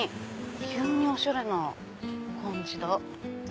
急におしゃれな感じだ。